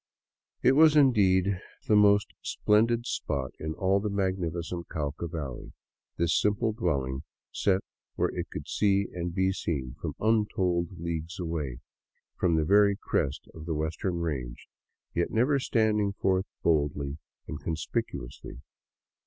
It was, indeed, the most splendid spot in all the magnificent Cauca valley, this simple dwelling set where it could see and be seen from untold leagues away, from the very crest of the western range, yet never standing forth boldly and conspicuously.